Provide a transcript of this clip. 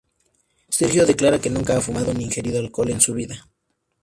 Sergio declara que nunca ha fumado ni ingerido alcohol en su vida.